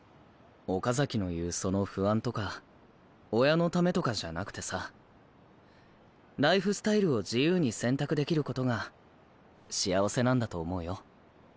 岡崎の言うその不安とか親のためとかじゃなくてさライフスタイルを自由に選択できることが幸せなんだと思うよ。